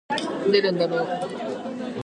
アルバイトを辞めたいと思っている